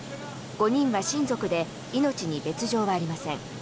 ５人は親族で命に別条はありません。